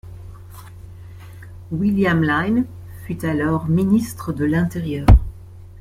William Lyne fut alors Ministre de l'Intérieur.